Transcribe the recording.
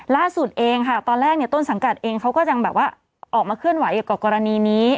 ล่าสุดเองค่ะตอนแรกต้นสังกัดเองเขาก็ออกมาเคลื่อนไหวกับกรณีนี้